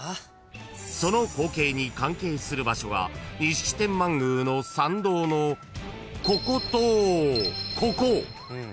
［その光景に関係する場所が錦天満宮の参道のこことここ］